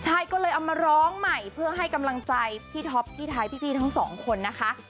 ใช่ก็เลยเอามาร้องใหม่เพื่อให้กำลังใจพี่ท็อปพี่ท้ายพี่ทั้งสองคนนะคะ